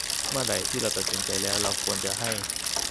เมื่อไหร่ที่เราตัดสินใจแล้ว เราควรจะให้